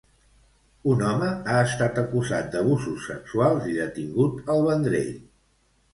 Un home ha estat acusat d'abusos sexuals i detingut al Vendrell.